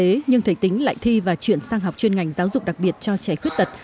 thầy phan văn tính lại thi và chuyển sang học chuyên ngành giáo dục đặc biệt cho trẻ khuyết tật